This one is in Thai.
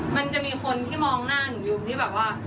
มันจะมีคนที่มองหน้าหนูยุมที่แบบว่า